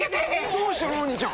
どうしたの鬼ちゃん？